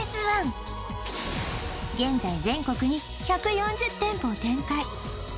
ＲＦ１現在全国に１４０店舗を展開